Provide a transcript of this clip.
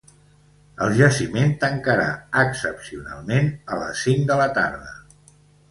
El jaciment tancarà ‘excepcionalment’ a les cinc de la tarda.